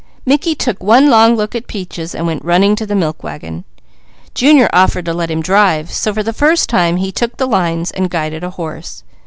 Mickey took one long look at Peaches and went running to the milk wagon. Junior offered to let him drive, so for the first time he took the lines and guided a horse.